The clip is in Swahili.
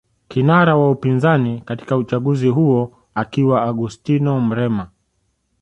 Kinara wa upinzani katika uchaguzi huo akiwa Augustino Mrema